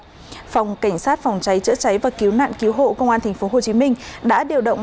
phòng cảnh sát phòng cháy chữa cháy và cứu nạn cứu hộ công an tp hcm đã điều động